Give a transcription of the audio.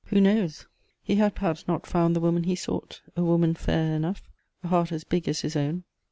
Who knows? He had perhaps not found the woman he sought, a woman fair enough, a heart as big as his own.